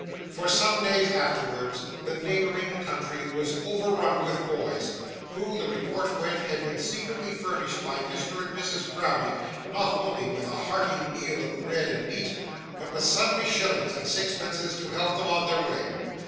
For some days afterwards, the neighbouring country was overrun with boys, who, the report went, had been secretly furnished by Mr. and Mrs Browdie, not only with a hearty meal of bread and meat, but with sundry shillings and sixpences to help them on their way.